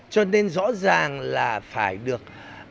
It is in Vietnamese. cho nên rõ ràng là phải được